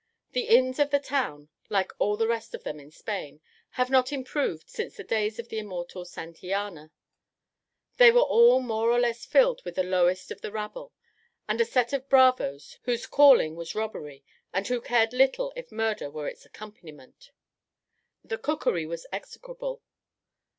The inns of the town, like all the rest of them in Spain, have not improved since the days of the immortal Santillana they were all more or less filled with the lowest of the rabble, and a set of bravos, whose calling was robbery, and who cared little if murder were its accompaniment. The cookery was execrable.